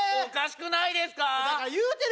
おかしくないですかー？